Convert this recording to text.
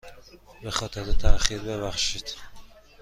به خاطر تاخیر ببخشید.